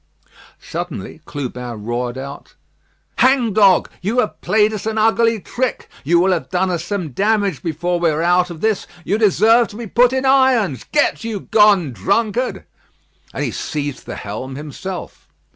Suddenly Clubin roared out: "Hang dog! you have played us an ugly trick. You will have done us some damage before we are out of this. You deserve to be put in irons. Get you gone, drunkard!" And he seized the helm himself.